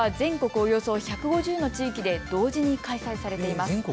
およそ１５０の地域で同時に開催されています。